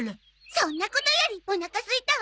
そんなことよりおなかすいたわ。